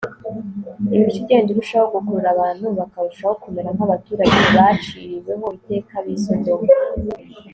imico igenda irushaho gukurura abantu bakarushaho kumera nk'abaturage baciriweho iteka b'i sodomu